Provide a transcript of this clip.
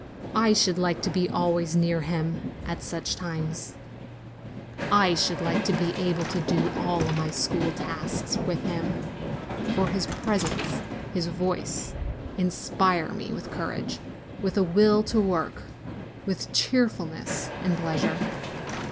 I should like to be always near him at such times. I should like to be LITTLE VIDETTE OF LOMBARDY 47 able to do all my school tasks with him, for his pres ence, his voice, inspire me with courage, with a will to work, with cheerfulness and pleasure.